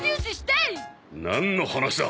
なんの話だ！